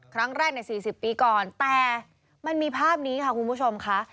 ครั้งแรกใน๔๐ปีก่อนแต่มันมีภาพนี้ค่ะคุณผู้ชมค่ะ